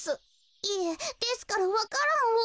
いえですからわか蘭を。